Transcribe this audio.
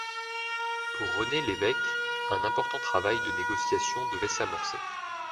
Pour René Lévesque, un important travail de négociation devait s'amorcer.